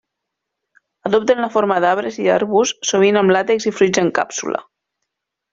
Adopten la forma d'arbres i arbusts sovint amb làtex i fruits en càpsula.